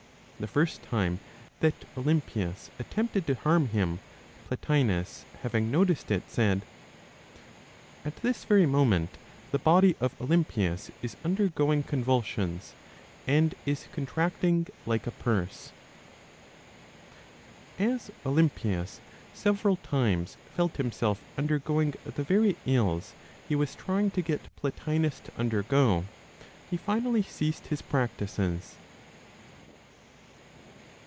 The first time that Olympius attempted to harm him, Plotinos having noticed it, said, "At this very moment the body of Olympius is undergoing convulsions, and is contracting like a purse." As Olympius several times felt himself undergoing the very ills he was trying to get Plotinos to undergo, he finally ceased his practices.